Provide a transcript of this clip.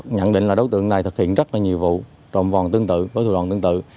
nhận định là đối tượng này thực hiện rất là nhiều vụ trong vòng tương tự với thủ đoạn tương tự